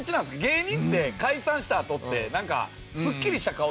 芸人って解散したあとってなんかすっきりした顔してるやん。